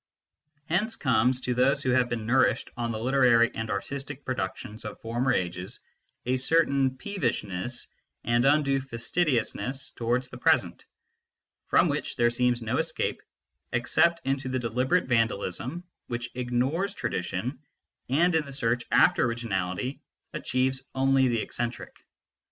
Hence comes, to those who have been nourished on the literary and artistic productions of former ages, a certain peevishness and undue fas tidiousness towards the present, from which there seems no escape except into the deliberate vandalism which ignores tradition and in the search after originality achieves only the eccentric.